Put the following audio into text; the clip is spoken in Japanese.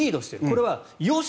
これはよし！